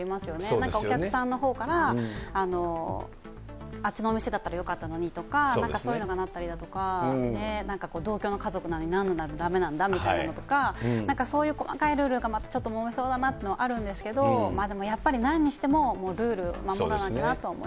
なんかお客さんのほうから、あっちのお店だったらよかったのにとか、なんかそういうのがなったりだとか、なんかこう同居の家族なのに、なんでだめなんだみたいなのとか、なんかそういう細かいルールが、またちょっともめそうだなっていうのはあるんですけれども、でもやっぱりなんにしても、ルールを守らなきゃなって思い